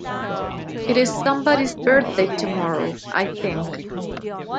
It is somebody's birthday tomorrow, I think.